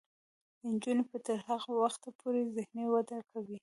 نجونې به تر هغه وخته پورې ذهني وده کوي.